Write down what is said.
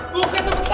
buka cepetan buka